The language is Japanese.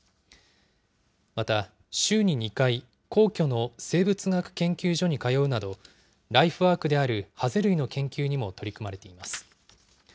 また、週に２回、皇居の生物学研究所に通うなど、ライフワークであるハゼ類の研究にも取り組まれています。